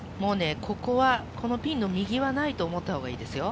ここはピンの右はないと思ったほうがいいですよ。